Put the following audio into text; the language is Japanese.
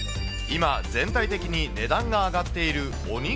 今、全体的に値段が上がっているお肉。